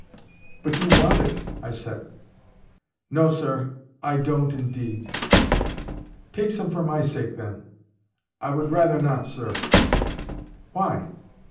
"But you want it," I said. "No, sir, I don't, indeed." "Take some for my sake, then." "I would rather not, sir." "Why?"